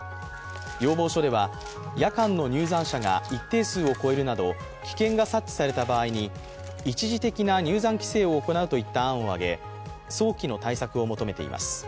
要望書では夜間の入山者が一定数を超えるなど危険が察知された場合に一時的な入山規制をするといった案をあげ早期の対策を求めています。